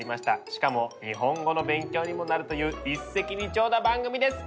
しかも日本語の勉強にもなるという一石二鳥な番組です！